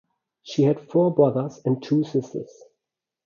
She had four brothers and two sisters.